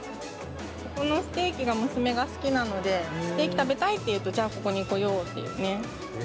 ここのステーキが娘が好きなのでステーキ食べたいって言うとじゃあここに来ようっていうね。